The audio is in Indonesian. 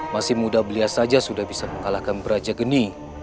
masih muda belia saja sudah bisa mengalahkan brajageni